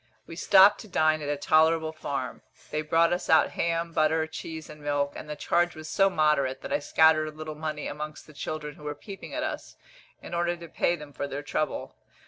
We stopped to dine at a tolerable farm; they brought us out ham, butter, cheese, and milk, and the charge was so moderate that I scattered a little money amongst the children who were peeping at us, in order to pay them for their trouble.